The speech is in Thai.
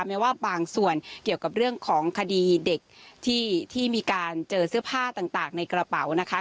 ไม่ว่าบางส่วนเกี่ยวกับเรื่องของคดีเด็กที่มีการเจอเสื้อผ้าต่างในกระเป๋านะคะ